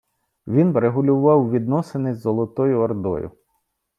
Він врегулював відносини з Золотою Ордою.